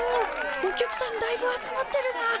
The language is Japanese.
お客さんだいぶ集まってるなあ。